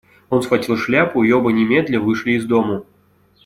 Он схватил шляпу, и оба немедля вышли из дому.